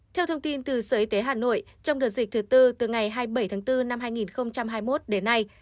theo thông tin từ sở y tế hà nội trong đợt dịch thứ tư từ ngày hai mươi bảy tháng bốn năm hai nghìn hai mươi một đến nay